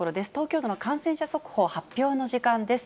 東京都の感染者速報発表の時間です。